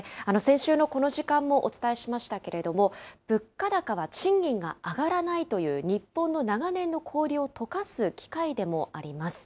先週のこの時間もお伝えしましたけれども、物価高は賃金が上がらないという日本の長年の氷をとかす機会でもあります。